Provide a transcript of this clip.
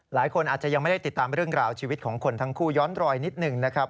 หลายคนอาจจะยังไม่ได้ติดตามเรื่องราวชีวิตของคนทั้งคู่ย้อนรอยนิดหนึ่งนะครับ